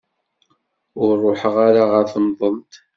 Ur ruḥeɣ ara ɣer temḍelt.